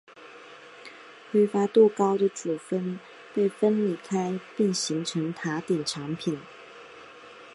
挥发度高的组分被分离开并形成塔顶产品。